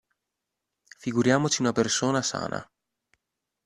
Figuriamoci una persona sana.